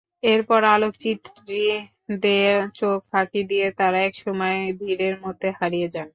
এরপর আলোকচিত্রীদের চোখ ফাঁকি দিয়ে তাঁরা একসময় ভিড়ের মধ্যে হারিয়ে যান।